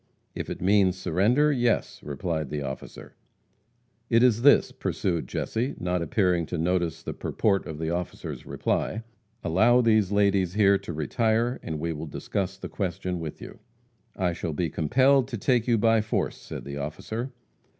"If it means surrender, yes," replied the officer. "It is this:" pursued Jesse, not appearing to notice the purport of the officer's reply, "allow these ladies here to retire, and we will discuss the question with you." "I shall be compelled to take you by force," said the officer.